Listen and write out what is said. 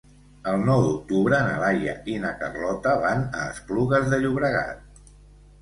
El nou d'octubre na Laia i na Carlota van a Esplugues de Llobregat.